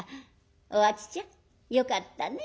お秋ちゃんよかったね。